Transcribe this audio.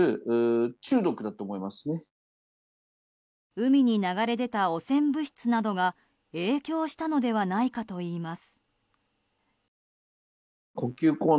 海に流れ出た汚染物質などが影響したのではないかといいます。